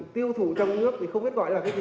tiêu thụ trong nước thì không biết gọi là cái gì